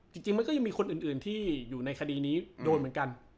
จริงมันก็ยังมีคนอื่นที่อยู่ในคดีนี้โดนเหมือนกัน